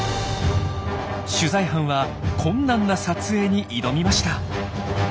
取材班は困難な撮影に挑みました。